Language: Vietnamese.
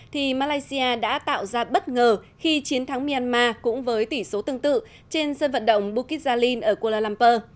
thì malaysia đã tạo ra bất ngờ khi chiến thắng myanmar cũng với tỷ số tương tự trên sân vận động bukizalin ở kuala lumpur